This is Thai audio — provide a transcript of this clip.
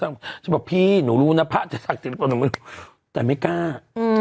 ผู้ประธิหนูรู้น่ะพระอาทิตย์แต่ไม่กล้าอืม